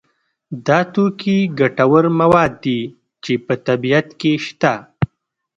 دا توکي ګټور مواد دي چې په طبیعت کې شته.